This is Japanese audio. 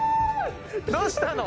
どうしたの？